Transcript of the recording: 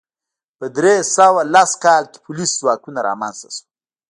په درې سوه لس کال کې پولیس ځواکونه رامنځته شول